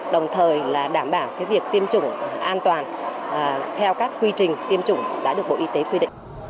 đồng thời là đảm bảo việc tiêm chủng an toàn theo các quy trình tiêm chủng đã được bộ y tế quy định